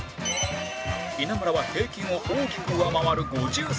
稲村は平均を大きく上回る５３回